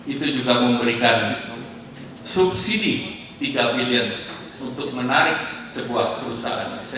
itu juga memberikan subsidi tiga miliar untuk menarik sebuah perusahaan